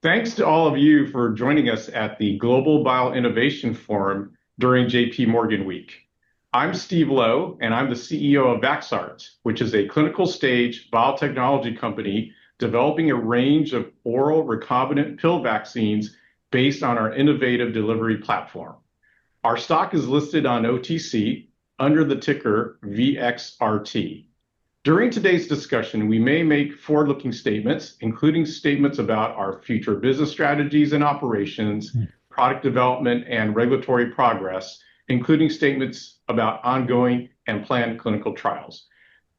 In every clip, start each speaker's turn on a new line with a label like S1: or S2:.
S1: Thanks to all of you for joining us at the Global Bio-Innovation Forum during J.P. Morgan Week. I'm Steve Lo, and I'm the CEO of Vaxart, which is a clinical stage biotechnology company developing a range of oral recombinant pill vaccines based on our innovative delivery platform. Our stock is listed on OTC under the ticker VXRT. During today's discussion, we may make forward-looking statements, including statements about our future business strategies and operations, product development, and regulatory progress, including statements about ongoing and planned clinical trials.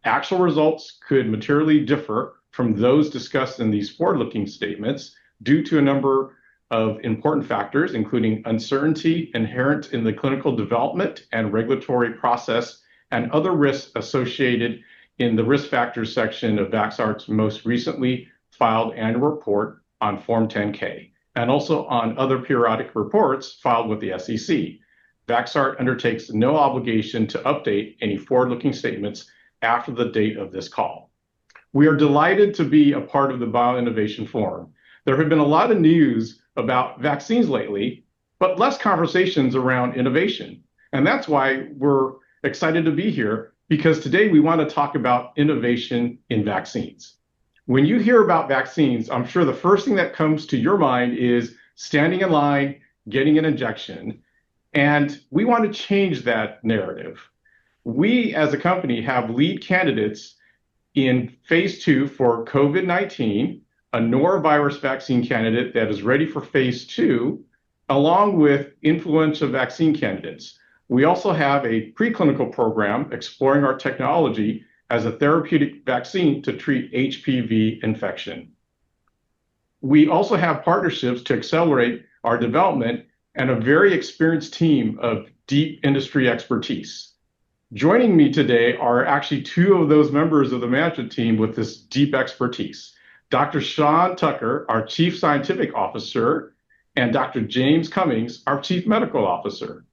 S1: Actual results could materially differ from those discussed in these forward-looking statements due to a number of important factors, including uncertainty inherent in the clinical development and regulatory process and other risks associated in the risk factors section of Vaxart's most recently filed annual report on Form 10-K and also on other periodic reports filed with the SEC. Vaxart undertakes no obligation to update any forward-looking statements after the date of this call. We are delighted to be a part of the Bio-Innovation Forum. There have been a lot of news about vaccines lately, but less conversations around innovation, and that's why we're excited to be here, because today we want to talk about innovation in vaccines. When you hear about vaccines, I'm sure the first thing that comes to your mind is standing in line, getting an injection, and we want to change that narrative. We, as a company, have lead candidates in Phase 2 for COVID-19, a norovirus vaccine candidate that is ready for Phase 2, along with influenza vaccine candidates. We also have a preclinical program exploring our technology as a therapeutic vaccine to treat HPV infection. We also have partnerships to accelerate our development and a very experienced team of deep industry expertise. Joining me today are actually two of those members of the management team with this deep expertise: Dr. Sean Tucker, our Chief Scientific Officer, and Dr. James Cummings, our Chief Medical Officer.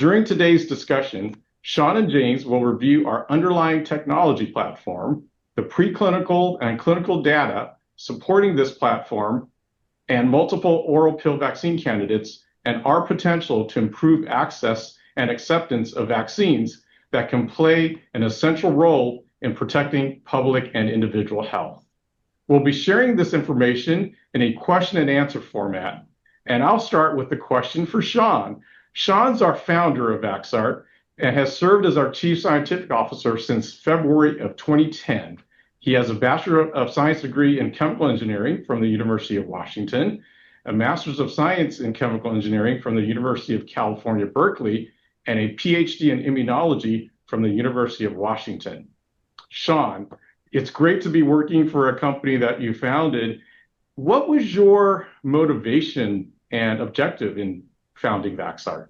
S1: During today's discussion, Sean and James will review our underlying technology platform, the preclinical and clinical data supporting this platform, and multiple oral pill vaccine candidates, and our potential to improve access and acceptance of vaccines that can play an essential role in protecting public and individual health. We'll be sharing this information in a question-and-answer format, and I'll start with the question for Sean. Sean's our founder of Vaxart and has served as our Chief Scientific Officer since February of 2010. He has a Bachelor of Science degree in Chemical Engineering from the University of Washington, a Master of Science in Chemical Engineering from the University of California, Berkeley, and a PhD in Immunology from the University of Washington. Sean, it's great to be working for a company that you founded. What was your motivation and objective in founding Vaxart?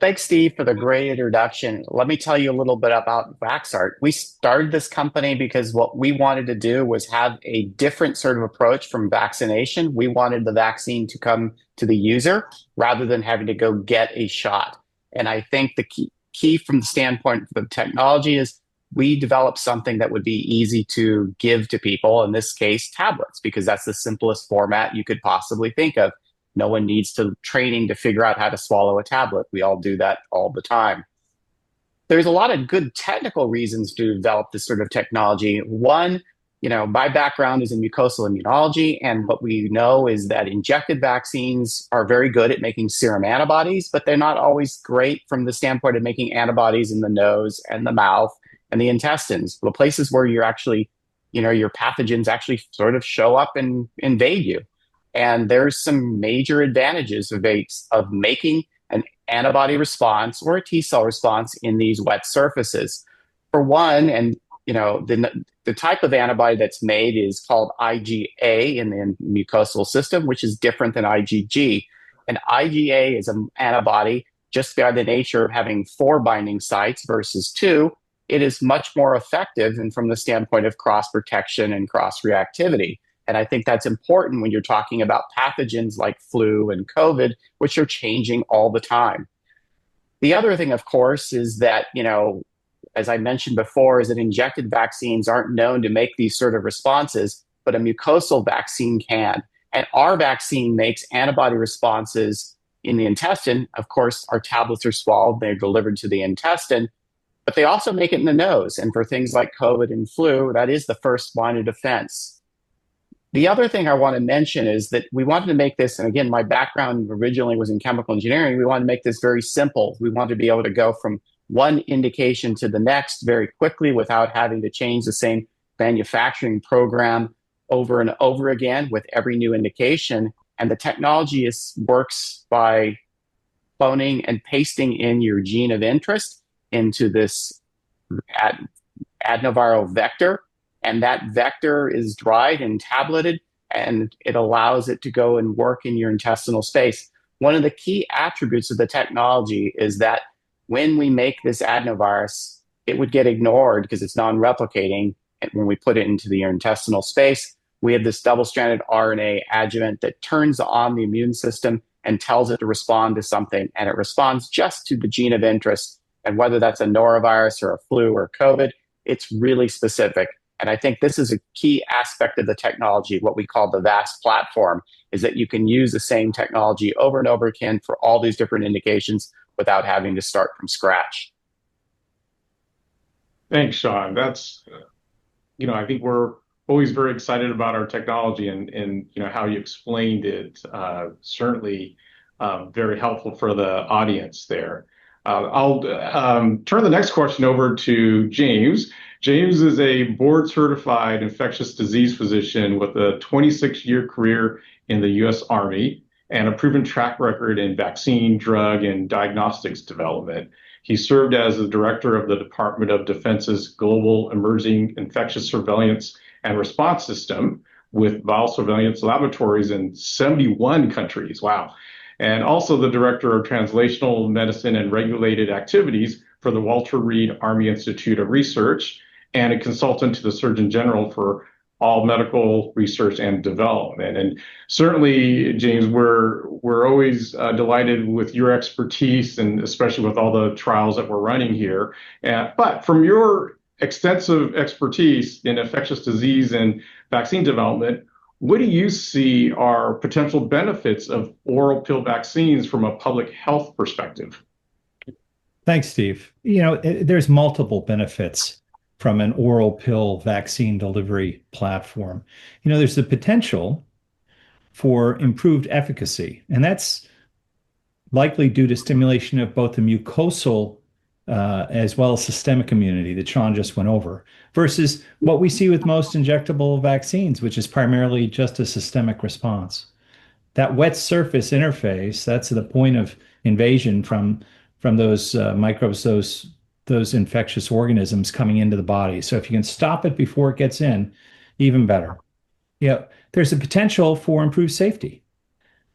S2: Thanks, Steve, for the great introduction. Let me tell you a little bit about Vaxart. We started this company because what we wanted to do was have a different sort of approach from vaccination. We wanted the vaccine to come to the user rather than having to go get a shot, and I think the key from the standpoint of technology is we developed something that would be easy to give to people, in this case, tablets, because that's the simplest format you could possibly think of. No one needs training to figure out how to swallow a tablet. We all do that all the time. There's a lot of good technical reasons to develop this sort of technology. One, my background is in mucosal immunology. And what we know is that injected vaccines are very good at making serum antibodies, but they're not always great from the standpoint of making antibodies in the nose, and the mouth, and the intestines, the places where your pathogens actually sort of show up and invade you. And there are some major advantages of making an antibody response or a T-cell response in these wet surfaces. For one, the type of antibody that's made is called IgA in the mucosal system, which is different than IgG. And IgA is an antibody just by the nature of having four binding sites versus two. It is much more effective from the standpoint of cross-protection and cross-reactivity. And I think that's important when you're talking about pathogens like flu and COVID, which are changing all the time. The other thing, of course, is that, as I mentioned before, injected vaccines aren't known to make these sort of responses, but a mucosal vaccine can, and our vaccine makes antibody responses in the intestine. Of course, our tablets are swallowed. They're delivered to the intestine, but they also make it in the nose, and for things like COVID and flu, that is the first line of defense. The other thing I want to mention is that we wanted to make this, and again, my background originally was in chemical engineering, we wanted to make this very simple. We wanted to be able to go from one indication to the next very quickly without having to change the same manufacturing program over and over again with every new indication, and the technology works by copying and pasting in your gene of interest into this adenoviral vector. And that vector is dried and tableted, and it allows it to go and work in your intestinal space. One of the key attributes of the technology is that when we make this adenovirus, it would get ignored because it's non-replicating. And when we put it into the intestinal space, we have this double-stranded RNA adjuvant that turns on the immune system and tells it to respond to something. And it responds just to the gene of interest. And whether that's a norovirus or a flu or COVID, it's really specific. And I think this is a key aspect of the technology, what we call the VAAST platform, is that you can use the same technology over and over again for all these different indications without having to start from scratch.
S1: Thanks, Sean. I think we're always very excited about our technology and how you explained it. Certainly very helpful for the audience there. I'll turn the next question over to James. James is a board-certified infectious disease physician with a 26-year career in the U.S. Army and a proven track record in vaccine, drug, and diagnostics development. He served as the director of the Department of Defense's Global Emerging Infections Surveillance and Response System with viral surveillance laboratories in 71 countries. Wow. And also the director of translational medicine and regulated activities for the Walter Reed Army Institute of Research and a consultant to the Surgeon General for all medical research and development. And certainly, James, we're always delighted with your expertise, and especially with all the trials that we're running here. But from your extensive expertise in infectious disease and vaccine development, what do you see are potential benefits of oral pill vaccines from a public health perspective?
S3: Thanks, Steve. There's multiple benefits from an oral pill vaccine delivery platform. There's the potential for improved efficacy, and that's likely due to stimulation of both the mucosal as well as systemic immunity that Sean just went over versus what we see with most injectable vaccines, which is primarily just a systemic response. That wet surface interface, that's the point of invasion from those microbes, those infectious organisms coming into the body, so if you can stop it before it gets in, even better. There's a potential for improved safety.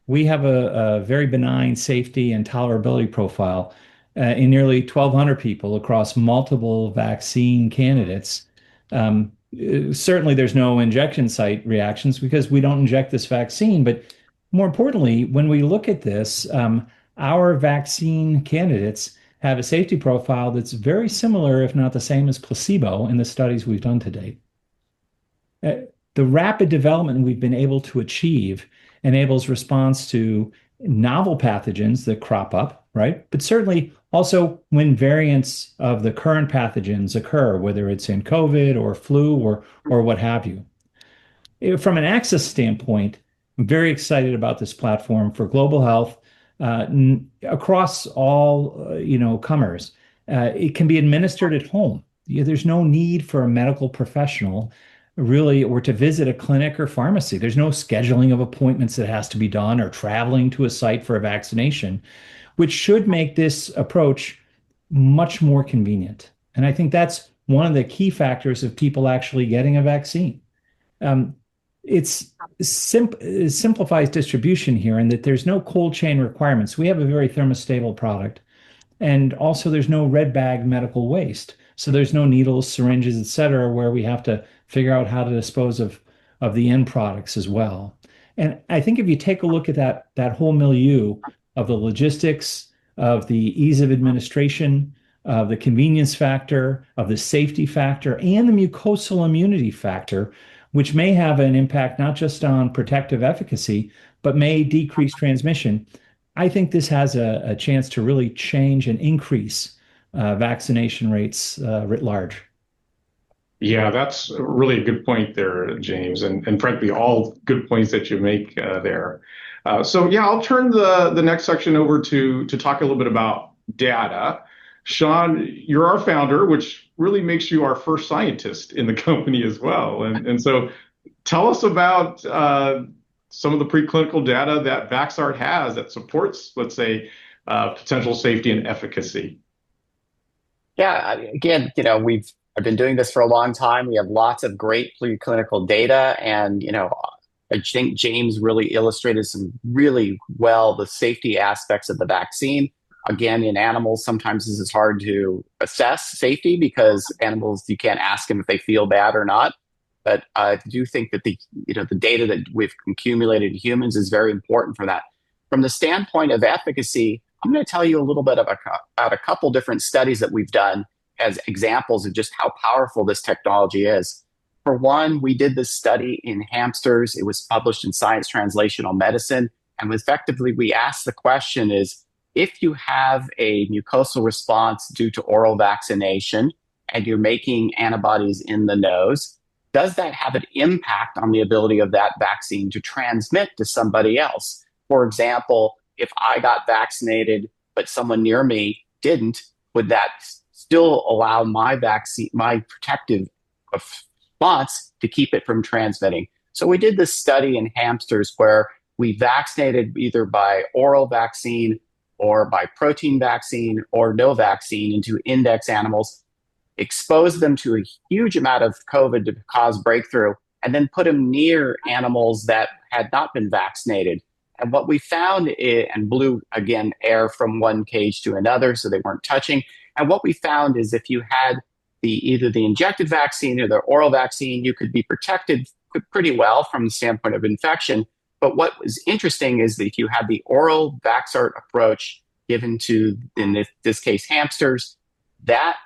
S3: We have a very benign safety and tolerability profile in nearly 1,200 people across multiple vaccine candidates. Certainly, there's no injection site reactions because we don't inject this vaccine, but more importantly, when we look at this, our vaccine candidates have a safety profile that's very similar, if not the same, as placebo in the studies we've done to date. The rapid development we've been able to achieve enables response to novel pathogens that crop up, but certainly also when variants of the current pathogens occur, whether it's in COVID or flu or what have you. From an access standpoint, I'm very excited about this platform for global health across all comers. It can be administered at home. There's no need for a medical professional, really, or to visit a clinic or pharmacy. There's no scheduling of appointments that has to be done or traveling to a site for a vaccination, which should make this approach much more convenient, and I think that's one of the key factors of people actually getting a vaccine. It simplifies distribution here in that there's no cold chain requirements. We have a very thermostable product, and also there's no red bag medical waste. So there's no needles, syringes, et cetera, where we have to figure out how to dispose of the end products as well, and I think if you take a look at that whole milieu of the logistics, of the ease of administration, of the convenience factor, of the safety factor, and the mucosal immunity factor, which may have an impact not just on protective efficacy, but may decrease transmission, I think this has a chance to really change and increase vaccination rates writ large.
S1: Yeah, that's really a good point there, James, and frankly, all good points that you make there. So yeah, I'll turn the next section over to talk a little bit about data. Sean, you're our founder, which really makes you our first scientist in the company as well, and so tell us about some of the preclinical data that Vaxart has that supports, let's say, potential safety and efficacy.
S2: Yeah. Again, I've been doing this for a long time. We have lots of great preclinical data. And I think James really illustrated some really well the safety aspects of the vaccine. Again, in animals, sometimes this is hard to assess safety because animals, you can't ask them if they feel bad or not. But I do think that the data that we've accumulated in humans is very important for that. From the standpoint of efficacy, I'm going to tell you a little bit about a couple of different studies that we've done as examples of just how powerful this technology is. For one, we did this study in hamsters. It was published in Science Translational Medicine. Effectively, we asked the question, if you have a mucosal response due to oral vaccination and you're making antibodies in the nose, does that have an impact on the ability of that vaccine to transmit to somebody else? For example, if I got vaccinated, but someone near me didn't, would that still allow my protective response to keep it from transmitting? We did this study in hamsters where we vaccinated either by oral vaccine or by protein vaccine or no vaccine into index animals, exposed them to a huge amount of COVID to cause breakthrough, and then put them near animals that had not been vaccinated. What we found. We blew air, again, from one cage to another, so they weren't touching. And what we found is if you had either the injected vaccine or the oral vaccine, you could be protected pretty well from the standpoint of infection. But what was interesting is that if you had the oral Vaxart approach given to, in this case, hamsters,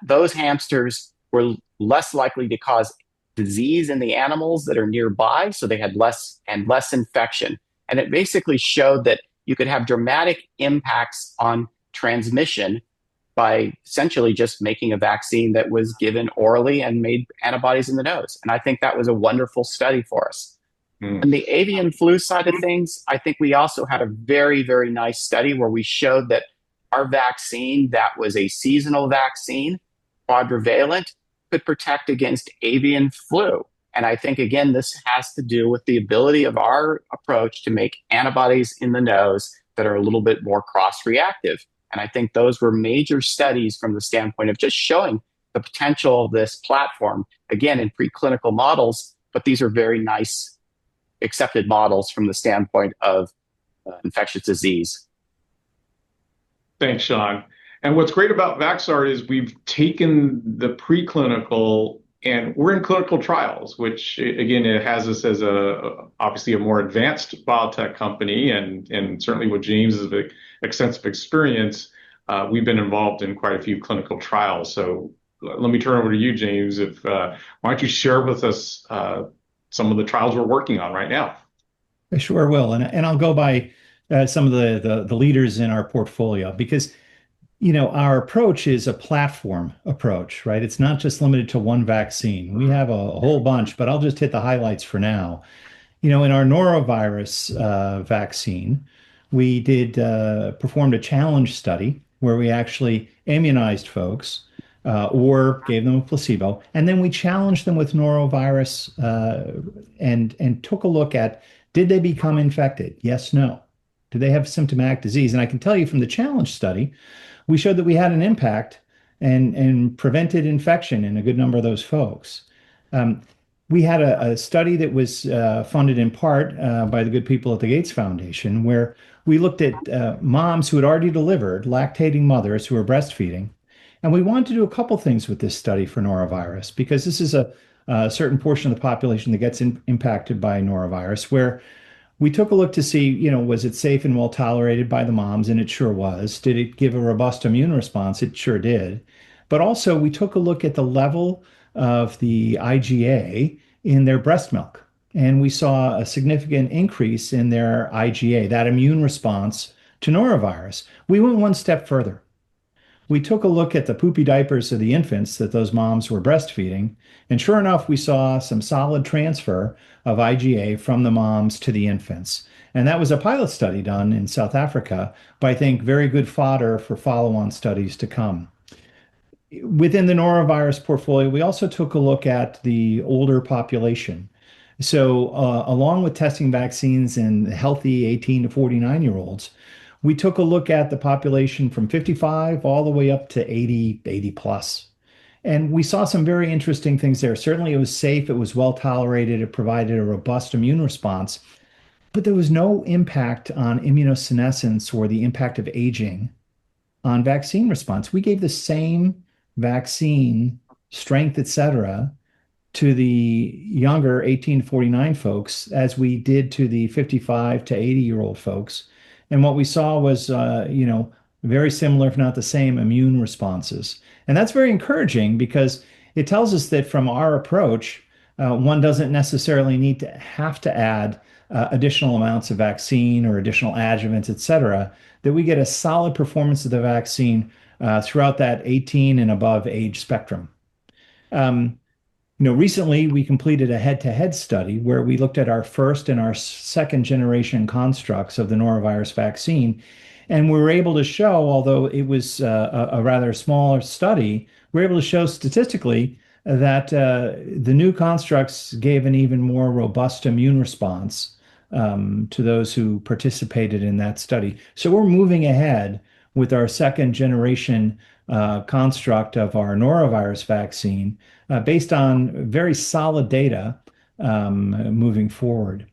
S2: those hamsters were less likely to cause disease in the animals that are nearby, so they had less and less infection. And it basically showed that you could have dramatic impacts on transmission by essentially just making a vaccine that was given orally and made antibodies in the nose. And I think that was a wonderful study for us. On the avian flu side of things, I think we also had a very, very nice study where we showed that our vaccine that was a seasonal vaccine, quadrivalent, could protect against avian flu. And I think, again, this has to do with the ability of our approach to make antibodies in the nose that are a little bit more cross-reactive. And I think those were major studies from the standpoint of just showing the potential of this platform, again, in preclinical models. But these are very nice accepted models from the standpoint of infectious disease.
S1: Thanks, Sean. And what's great about Vaxart is we've taken the preclinical and we're in clinical trials, which, again, it has us as obviously a more advanced biotech company. And certainly, with James' extensive experience, we've been involved in quite a few clinical trials. So let me turn it over to you, James. Why don't you share with us some of the trials we're working on right now?
S3: I sure will, and I'll go by some of the leaders in our portfolio because our approach is a platform approach. It's not just limited to one vaccine. We have a whole bunch, but I'll just hit the highlights for now. In our norovirus vaccine, we performed a challenge study where we actually immunized folks or gave them a placebo, and then we challenged them with norovirus and took a look at, did they become infected? Yes, no. Did they have symptomatic disease, and I can tell you from the challenge study, we showed that we had an impact and prevented infection in a good number of those folks. We had a study that was funded in part by the good people at the Gates Foundation where we looked at moms who had already delivered, lactating mothers who were breastfeeding. We wanted to do a couple of things with this study for norovirus because this is a certain portion of the population that gets impacted by norovirus where we took a look to see, was it safe and well tolerated by the moms? It sure was. Did it give a robust immune response? It sure did. Also, we took a look at the level of the IgA in their breast milk. We saw a significant increase in their IgA, that immune response to norovirus. We went one step further. We took a look at the poopy diapers of the infants that those moms were breastfeeding. Sure enough, we saw some solid transfer of IgA from the moms to the infants. That was a pilot study done in South Africa by, I think, very good fodder for follow-on studies to come. Within the norovirus portfolio, we also took a look at the older population. So along with testing vaccines in healthy 18-49-year-olds, we took a look at the population from 55 all the way up to 80, 80-plus. And we saw some very interesting things there. Certainly, it was safe. It was well tolerated. It provided a robust immune response. But there was no impact on immunosenescence or the impact of aging on vaccine response. We gave the same vaccine strength, et cetera, to the younger 18-49 folks as we did to the 55-80-year-old folks. And what we saw was very similar, if not the same, immune responses. And that's very encouraging because it tells us that from our approach, one doesn't necessarily need to have to add additional amounts of vaccine or additional adjuvants, et cetera, that we get a solid performance of the vaccine throughout that 18 and above age spectrum. Recently, we completed a head-to-head study where we looked at our first and our second-generation constructs of the norovirus vaccine. And we were able to show, although it was a rather smaller study, we were able to show statistically that the new constructs gave an even more robust immune response to those who participated in that study. So we're moving ahead with our second-generation construct of our norovirus vaccine based on very solid data moving forward.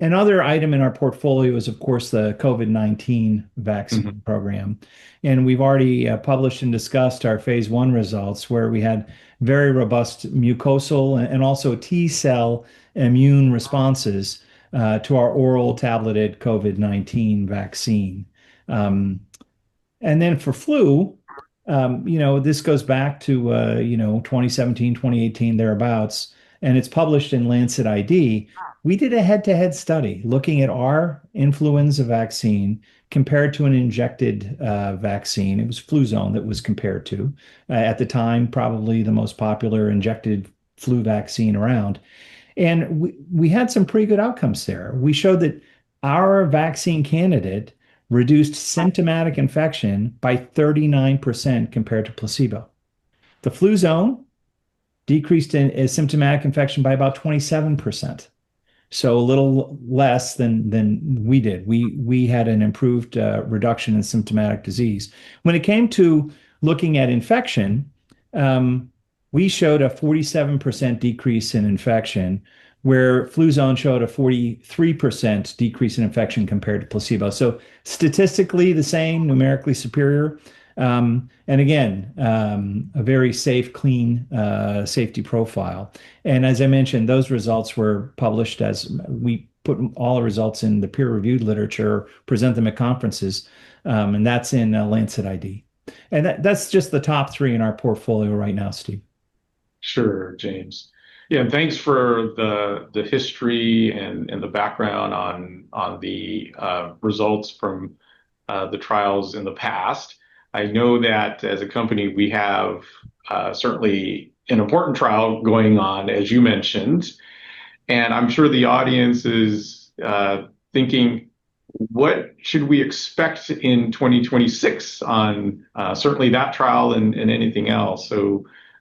S3: Another item in our portfolio is, of course, the COVID-19 vaccine program. We've already published and discussed our phase one results where we had very robust mucosal and also T-cell immune responses to our oral tableted COVID-19 vaccine. Then for flu, this goes back to 2017, 2018, thereabouts. It's published in Lancet ID. We did a head-to-head study looking at our influenza vaccine compared to an injected vaccine. It was Fluzone that was compared to at the time, probably the most popular injected flu vaccine around. We had some pretty good outcomes there. We showed that our vaccine candidate reduced symptomatic infection by 39% compared to placebo. The Fluzone decreased symptomatic infection by about 27%, so a little less than we did. We had an improved reduction in symptomatic disease. When it came to looking at infection, we showed a 47% decrease in infection where Fluzone showed a 43% decrease in infection compared to placebo. So statistically the same, numerically superior. And again, a very safe, clean safety profile. And as I mentioned, those results were published as we put all the results in the peer-reviewed literature, present them at conferences. And that's in Lancet ID. And that's just the top three in our portfolio right now, Steve.
S1: Sure, James. Yeah, and thanks for the history and the background on the results from the trials in the past. I know that as a company, we have certainly an important trial going on, as you mentioned. And I'm sure the audience is thinking, what should we expect in 2026 on certainly that trial and anything else?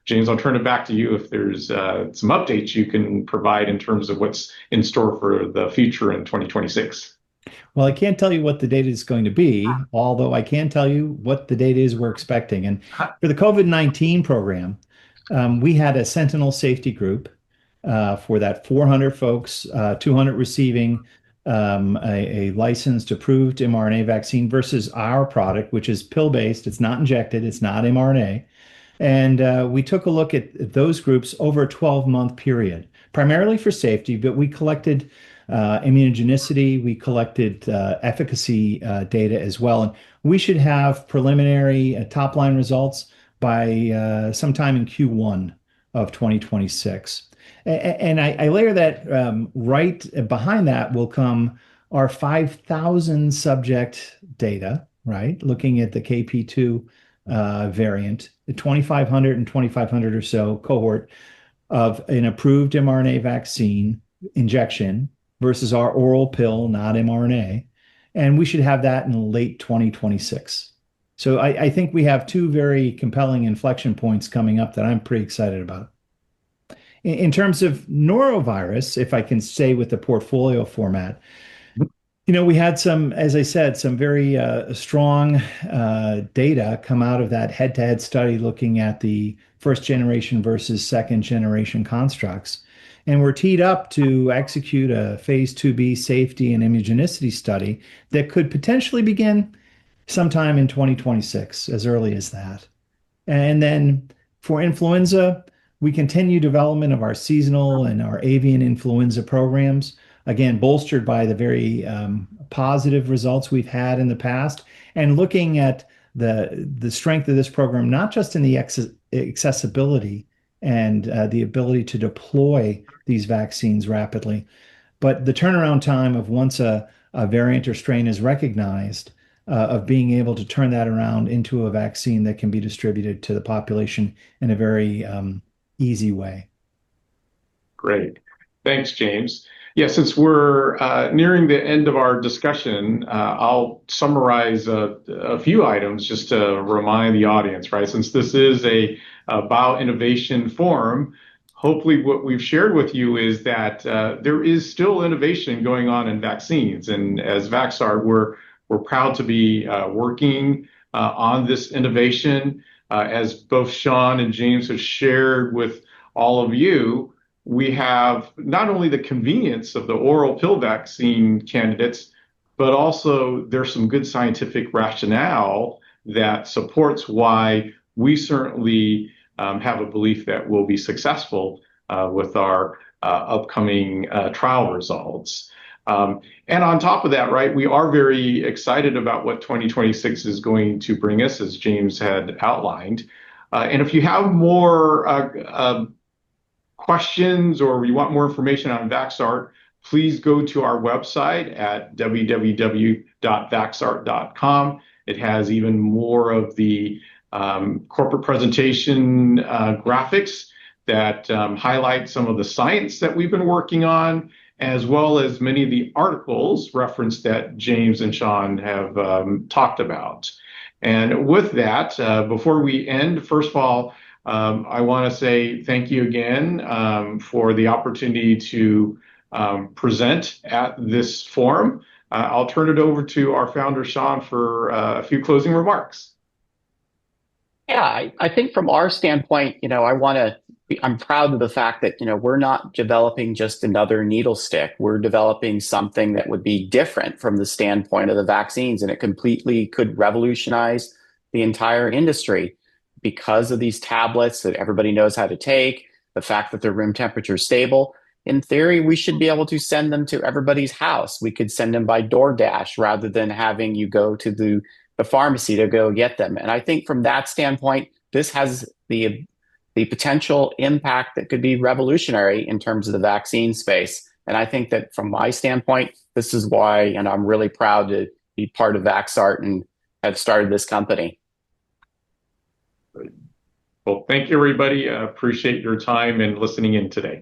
S1: James, I'll turn it back to you if there's some updates you can provide in terms of what's in store for the future in 2026.
S3: I can't tell you what the data is going to be, although I can tell you what the data is we're expecting. For the COVID-19 program, we had a sentinel safety group for that 400 folks, 200 receiving a licensed approved mRNA vaccine versus our product, which is pill-based. It's not injected. It's not mRNA. We took a look at those groups over a 12-month period, primarily for safety, but we collected immunogenicity. We collected efficacy data as well. We should have preliminary top-line results by sometime in Q1 of 2026. I layer that right behind that will come our 5,000-subject data, looking at the KP.2 variant, the 2,500 and 2,500 or so cohort of an approved mRNA vaccine injection versus our oral pill, not mRNA. We should have that in late 2026. So I think we have two very compelling inflection points coming up that I'm pretty excited about. In terms of norovirus, if I can say with the portfolio format, we had, as I said, some very strong data come out of that head-to-head study looking at the first-generation versus second-generation constructs. And we're teed up to execute a Phase 2b safety and immunogenicity study that could potentially begin sometime in 2026, as early as that. And then for influenza, we continue development of our seasonal and our avian influenza programs, again, bolstered by the very positive results we've had in the past. Looking at the strength of this program, not just in the accessibility and the ability to deploy these vaccines rapidly, but the turnaround time of once a variant or strain is recognized of being able to turn that around into a vaccine that can be distributed to the population in a very easy way.
S1: Great. Thanks, James. Yeah, since we're nearing the end of our discussion, I'll summarize a few items just to remind the audience. Since this is a Bio-Innovation Forum, hopefully what we've shared with you is that there is still innovation going on in vaccines, and as Vaxart, we're proud to be working on this innovation. As both Sean and James have shared with all of you, we have not only the convenience of the oral pill vaccine candidates, but also there's some good scientific rationale that supports why we certainly have a belief that we'll be successful with our upcoming trial results, and on top of that, we are very excited about what 2026 is going to bring us, as James had outlined, and if you have more questions or you want more information on Vaxart, please go to our website at www.vaxart.com. It has even more of the corporate presentation graphics that highlight some of the science that we've been working on, as well as many of the articles referenced that James and Sean have talked about, and with that, before we end, first of all, I want to say thank you again for the opportunity to present at this forum. I'll turn it over to our founder, Sean, for a few closing remarks.
S2: Yeah, I think from our standpoint, I'm proud of the fact that we're not developing just another needle stick. We're developing something that would be different from the standpoint of the vaccines. And it completely could revolutionize the entire industry because of these tablets that everybody knows how to take, the fact that they're room temperature stable. In theory, we should be able to send them to everybody's house. We could send them by DoorDash rather than having you go to the pharmacy to go get them. And I think from that standpoint, this has the potential impact that could be revolutionary in terms of the vaccine space. And I think that from my standpoint, this is why I'm really proud to be part of Vaxart and have started this company.
S1: Thank you, everybody. I appreciate your time and listening in today.